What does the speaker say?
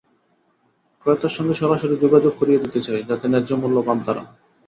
ক্রেতার সঙ্গে সরাসরি যোগাযোগ করিয়ে দিতে চাই, যাতে ন্যায্যমূল্য পান তাঁরা।